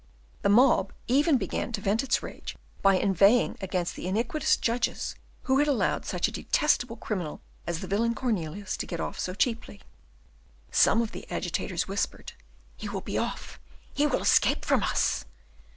The mob even began to vent its rage by inveighing against the iniquitous judges, who had allowed such a detestable criminal as the villain Cornelius to get off so cheaply. Some of the agitators whispered, "He will be off, he will escape from us!"